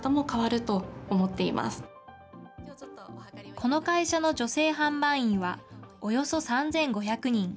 この会社の女性販売員は、およそ３５００人。